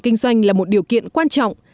kinh doanh là một điều kiện quan trọng